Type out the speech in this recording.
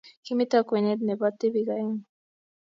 Kimito kwenet ne bo tibiik oeng.